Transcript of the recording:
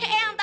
eyang tau gak